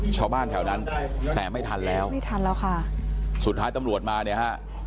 ชาวบ้านแถวนั้นแต่ไม่ทันแล้วไม่ทันแล้วค่ะสุดท้ายตำรวจมาเนี่ยฮะ